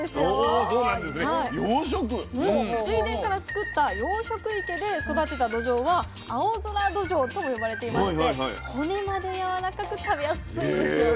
水田から作った養殖池で育てたどじょうは青空どじょうとも呼ばれていまして骨までやわらかく食べやすいんですよ。